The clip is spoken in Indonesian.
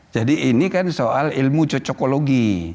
jadi ini kan soal ilmu cocokologi